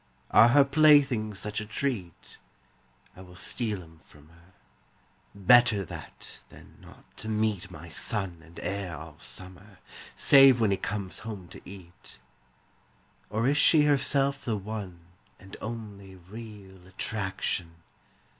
Are her playthings such a treat? I will steal 'em from her; Better that than not to meet My son and heir all summer, Save when he comes home to eat. Or is she herself the one And only real attraction?